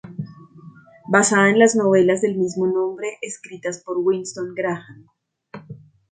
Basada en las novelas del mismo nombre escritas por Winston Graham.